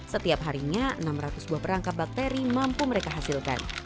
setiap harinya enam ratus buah perangkap bakteri mampu mereka hasilkan